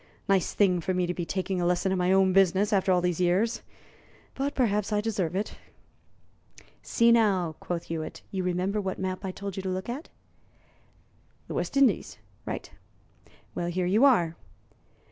Nice thing for me to be taking a lesson in my own business after all these years! But perhaps I deserve it." "See, now," quoth Hewitt, "you remember what map I told you to look at?" "The West Indies." "Right! Well, here you are."